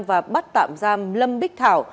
và bắt tạm giam lâm bích thảo